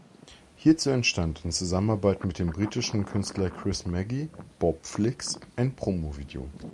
Hierzu entstand in Zusammenarbeit mit dem britischen Künstler Chris Magee (Bopflix) ein Promo Video.